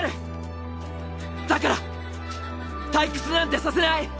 だから退屈なんてさせない。